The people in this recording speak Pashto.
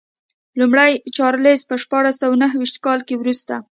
لومړی چارلېز په شپاړس سوه نهویشت کال وروسته.